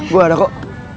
gue ada kok